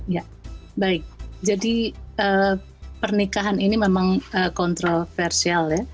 ya baik jadi pernikahan ini memang kontroversial ya